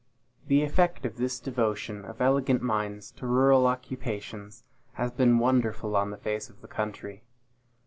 The effect of this devotion of elegant minds to rural occupations has been wonderful on the face of the country.